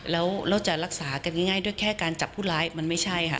แล้วเราจะรักษากันง่ายด้วยแค่การจับผู้ร้ายมันไม่ใช่ค่ะ